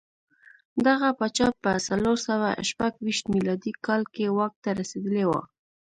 دغه پاچا په څلور سوه شپږ ویشت میلادي کال کې واک ته رسېدلی و